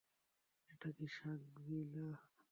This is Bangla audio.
এটা কি শাংরি-লা?